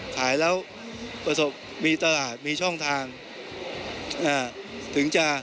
ขายแล้วมีตลาดมีช่องทาง